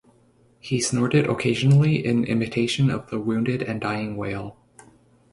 He snorted occasionally in imitation of the wounded and dying whale.